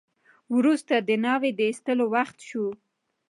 وروسته د ناوې د ایستلو وخت شو.